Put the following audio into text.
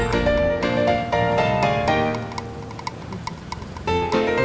เป็นอยู่